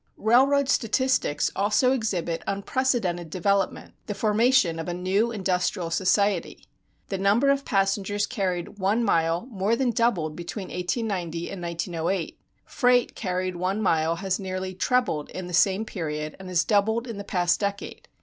Railroad statistics also exhibit unprecedented development, the formation of a new industrial society. The number of passengers carried one mile more than doubled between 1890 and 1908; freight carried one mile has nearly trebled in the same period and has doubled in the past decade.